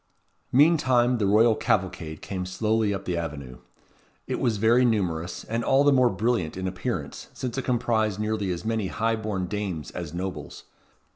Meantime the royal cavalcade came slowly up the avenue. It was very numerous, and all the more brilliant in appearance, since it comprised nearly as many high born dames as nobles.